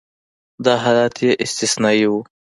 دا حالت یې استثنایي و.